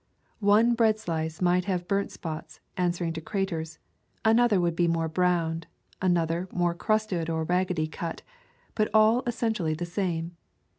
One bread slice might have burnt spots, answering to craters; another would be more browned; another, more crusted or raggedly cut; but all essentially the same.